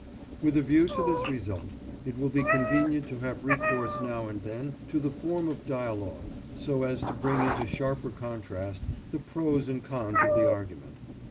With a view to this result, it will be convenient to have recourse now and then to the form of dialogue, so as to bring into sharper contrast the pros and cons of the argument.